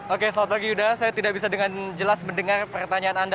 oke selamat pagi yuda saya tidak bisa dengan jelas mendengar pertanyaan anda